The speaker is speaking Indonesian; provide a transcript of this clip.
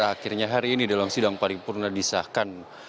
akhirnya hari ini dalam sidang paripurna disahkan